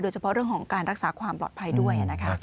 เฉพาะเรื่องของการรักษาความปลอดภัยด้วยนะคะ